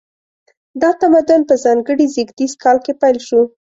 دا تمدن په ځانګړي زیږدیز کال کې پیل شو.